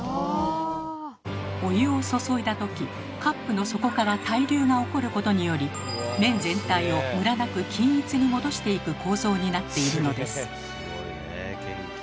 お湯を注いだ時カップの底から対流が起こることにより麺全体をむらなく均一に戻していく構造になっているのです。